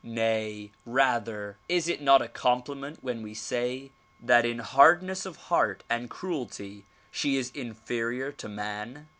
Nay, rather, is it not a compliment when we say that in hardness of heart and cruelty she is inferior to man?